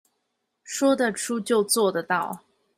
說得出就做得到